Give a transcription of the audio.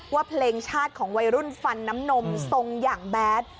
ว่าเพลงชาติของวัยรุ่นฟันน้ำนมทรงอย่างแบด